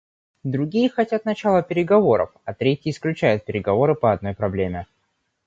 Другие хотят начала переговоров, а третьи исключают переговоры по одной проблеме.